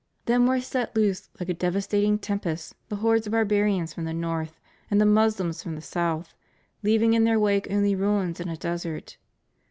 Then were set loose, Uke a devastating tempest, the hordes of barbarians from the north, and the Moslems from the south, leaving in their wake only ruins in a desert.